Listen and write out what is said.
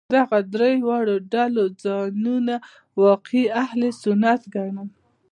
دغو درې واړو ډلو ځانونه واقعي اهل سنت ګڼل.